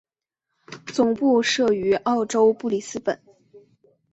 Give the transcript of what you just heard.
总部设于澳洲布里斯本。